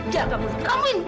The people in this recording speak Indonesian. jaga budi kamu